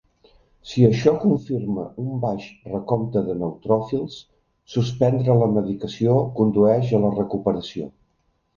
Si això confirma un baix recompte de neutròfils, suspendre la medicació condueix a la recuperació.